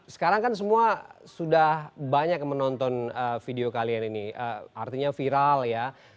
sekarang kan semua sudah banyak menonton video kalian ini artinya viral ya